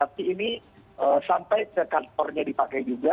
tapi ini sampai ke kantornya dipakai juga